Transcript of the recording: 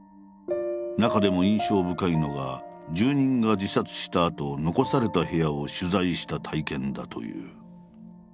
中でも印象深いのが住人が自殺したあと残された部屋を取材した体験だという。